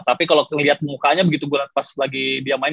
tapi kalo ngeliat mukanya begitu pas lagi dia main